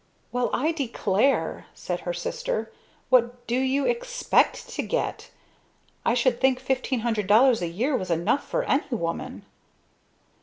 "Well, I declare!" said her sister. "What do you expect to get? I should think fifteen hundred dollars a year was enough for any woman!"